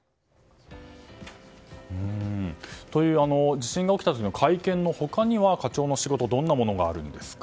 地震が起きたあとの会見の他には課長の仕事はどんなものがあるんですか？